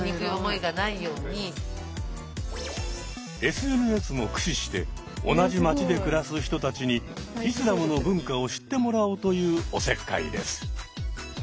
ＳＮＳも駆使して同じ街で暮らす人たちにイスラムの文化を知ってもらおうというおせっかいです。